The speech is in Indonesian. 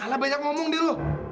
malah banyak ngomong deh lo